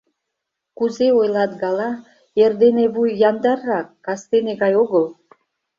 — Кузе ойлат гала: «Эрдене вуй яндаррак, кастене гай огыл».